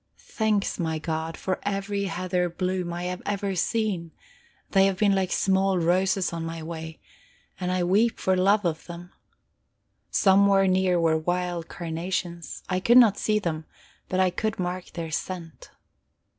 Thanks, my God, for every heather bloom I have ever seen; they have been like small roses on my way, and I weep for love of them... Somewhere near were wild carnations; I could not see them, but I could mark their scent.